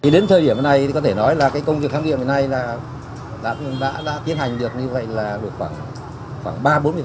đến thời điểm này công việc khám nghiệm này đã tiến hành được khoảng ba mươi bốn mươi